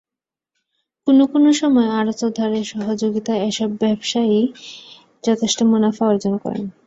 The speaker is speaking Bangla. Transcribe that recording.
কোনো কোনো সময় আড়তদারের সহযোগিতায় এসব ব্যবসায়ী যথেষ্ট মুনাফা অর্জন করেন।